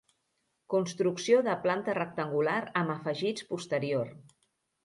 Construcció de planta rectangular amb afegits posterior.